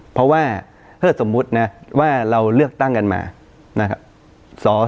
เพราะว่าถ้าสมมุตินะว่าเราเลือกตั้งกันมานะครับ